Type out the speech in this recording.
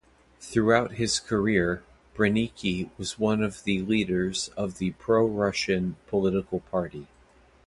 Throughout his career, Branicki was one of the leaders of the pro-Russian political party.